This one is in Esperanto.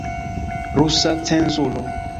Rusa cenzuro.